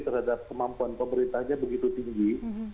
terhadap kemampuan pemerintahnya begitu tinggi